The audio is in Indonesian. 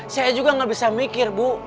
saya juga nggak bisa mikir bu